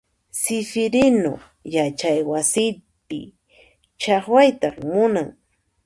Sifirinu yachay wasipi chaqwayta munan.